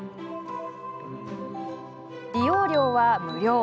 利用料は無料。